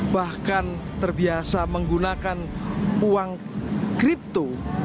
bahkan terbiasa menggunakan uang kripto